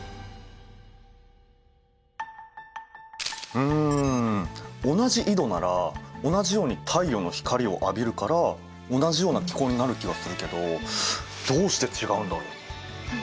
うん同じ緯度なら同じように太陽の光を浴びるから同じような気候になる気がするけどどうして違うんだろう？